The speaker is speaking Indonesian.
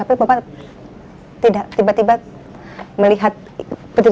tapi bapak tidak tiba tiba melihat itu